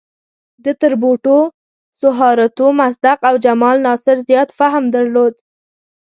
ده تر بوټو، سوهارتو، مصدق او جمال ناصر زیات فهم درلود.